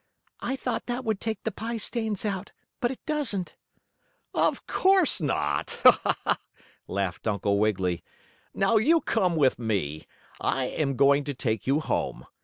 "I thought that would take the pie stains out, but it doesn't." "Of course not!" laughed Uncle Wiggily. "Now you come with me. I am going to take you home.